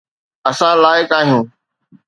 اسان لائق آهيون